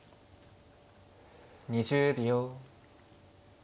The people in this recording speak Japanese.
２０秒。